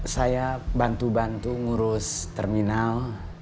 saya bantu bantu ngurus terminal